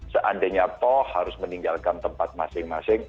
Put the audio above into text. seandainya toh harus meninggalkan tempat masing masing